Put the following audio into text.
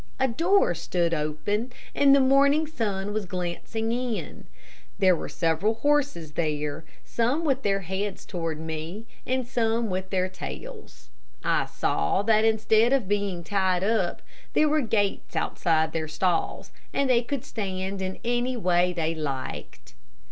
A door stood open, and the morning sun was glancing in. There were several horses there, some with their heads toward me, and some with their tails. I saw that instead of being tied up, there were gates outside their stalls, and they could stand in any way they liked.